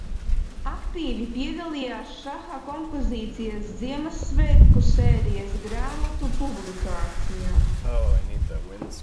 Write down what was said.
Aktīvi piedalījās šaha kompozīcijas ziemassvētku sērijas grāmatu publikācijā.